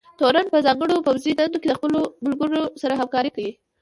تورن په ځانګړو پوځي دندو کې د خپلو ملګرو سره همکارۍ کوي.